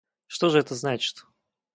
Что же это значит?